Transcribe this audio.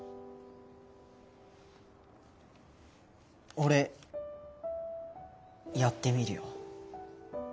俺やってみるよ。